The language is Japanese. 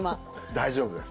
大丈夫です。